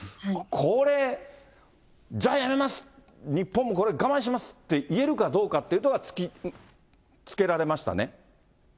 これ、じゃあ、やめます、日本もこれ、我慢しますって言えるかどうかっていうのが突きつけられましたね。